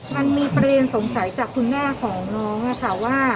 มันมีประเด็นสงสัยจากคุณแม่ของน้องค่ะว่า